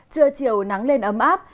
trưa chiều nắng lên ấm áp